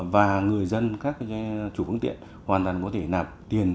và người dân các chủ phương tiện hoàn toàn có thể nạp tiền